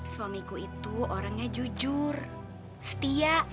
suamiku itu orangnya jujur setia